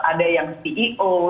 ada yang ceo